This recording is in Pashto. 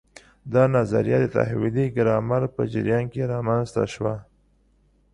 دا نظریه د تحویلي ګرامر په جریان کې رامنځته شوه.